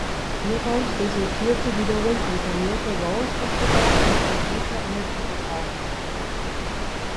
Hieraus resultierte wiederum ein vermehrter Sauerstoffbedarf und ein erhöhter Energieverbrauch.